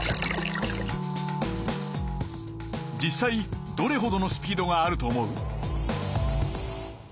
実さいどれほどのスピードがあると思う？